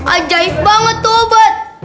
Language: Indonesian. ajaib banget tuh obat